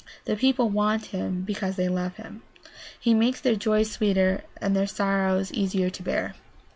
The people want him because they love him. He makes their joys sweeter and their sorrows easier to bear.